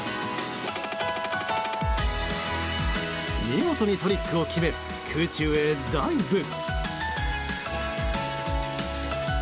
見事にトリックを決め空中へダイブ。